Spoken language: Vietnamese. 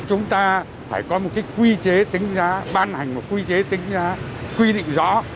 chúng ta phải có một cái quy chế tính giá ban hành một quy chế tính ra quy định rõ